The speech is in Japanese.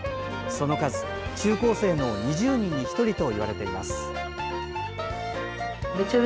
その数、中高生の２０人に１人と推計されています。